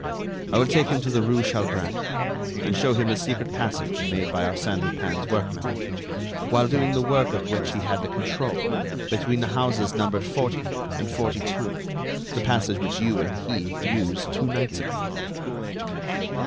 "I will take him to the rue Chalgrin, and show him the secret passage made by Arsène Lupin's workmen,—while doing the work of which he had the control—between the houses numbered 40 and 42; the passage which you and he used two nights ago."